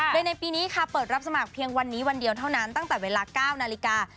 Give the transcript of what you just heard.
โดยในปีนี้ค่ะเปิดรับสมัครเพียงวันนี้วันเดียวเท่านั้นตั้งแต่เวลา๙นาฬิกา